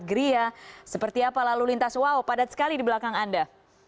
gria seperti apa lalu lintas wow padat sekali di belakang anda